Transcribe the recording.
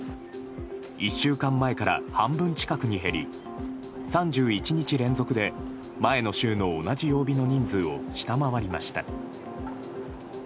１週間前から半分近くに減り３１日連続で前の週の同じ曜日の人数を下回りました。